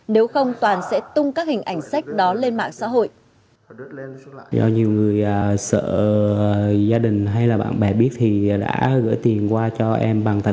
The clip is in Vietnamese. nếu không toàn sẽ tung các hình ảnh sách đó lên mạng xã hội